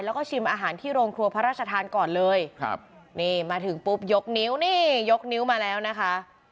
แล้วก็ชิมอาหารที่โรงครัวพระราชทานก่อนเลยครับนี่มาถึงปุ๊บยกนิ้วนี่ยกนิ้วมาแล้วนะคะ